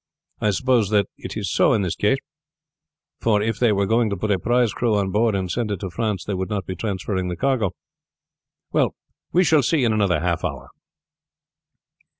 I suppose that is so in this case; for if they were going to put a prize crew on board and send it to France, they would not be transferring the cargo. Well, we shall see in another half hour."